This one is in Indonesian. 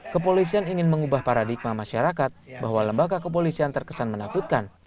kepolisian ingin mengubah paradigma masyarakat bahwa lembaga kepolisian terkesan menakutkan